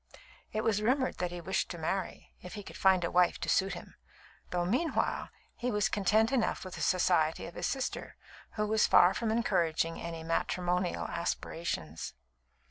It was rumoured that he wished to marry, if he could find a wife to suit him, though meanwhile he was content enough with the society of his sister, who was far from encouraging any matrimonial aspirations.